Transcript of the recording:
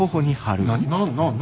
何？